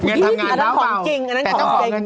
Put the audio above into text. อันนั้นของจริงอันนั้นของจริง